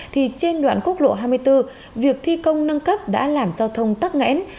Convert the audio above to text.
thì trên đoạn quốc lộ hai mươi bốn việc thi công nâng cấp đã làm giao thông tắc nghẽn